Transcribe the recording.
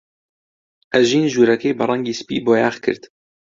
ئەژین ژوورەکەی بە ڕەنگی سپی بۆیاغ کرد.